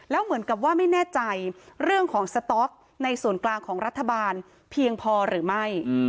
แล้วเหมือนกับว่าไม่แน่ใจเรื่องของสต๊อกในส่วนกลางของรัฐบาลเพียงพอหรือไม่